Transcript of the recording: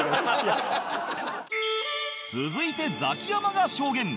続いてザキヤマが証言